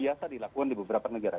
biasa dilakukan di beberapa negara